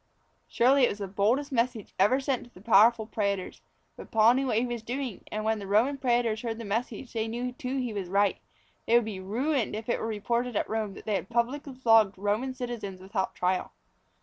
Surely it was the boldest message ever sent to the powerful prætors. But Paul knew what he was doing, and when the Roman prætors heard the message they knew that he was right. They would be ruined if it were reported at Rome that they had publicly flogged Roman citizens without trial.